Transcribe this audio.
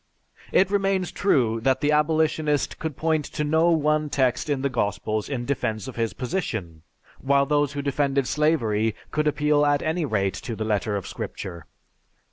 It remains true that the abolitionist could point to no one text in the Gospels in defense of his position, while those who defended slavery could appeal at any rate to the letter of Scripture."